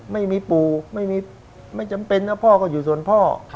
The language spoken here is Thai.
ไม่มีปู่ไม่จำเป็นนะพ่อก็อยู่ส่วนพ่อ